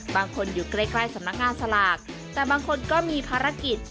บางคนอยู่ใกล้สำนักงานสลากแต่บางคนก็มีภารกิจ